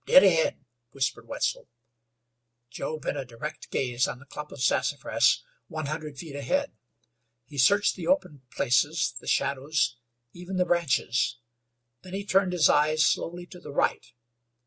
Dead ahead," whispered Wetzel. Joe bent a direct gaze on the clump of sassafras one hundred feet ahead. He searched the open places, the shadows even the branches. Then he turned his eyes slowly to the right.